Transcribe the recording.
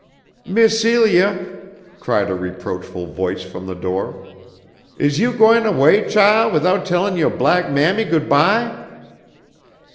"Miss Celia," cried a reproachful voice from the door. "Is you gwine away, chile, widout tellin' youah black Mammy good by?"